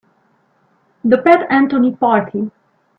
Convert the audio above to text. The Pat Anthony Party.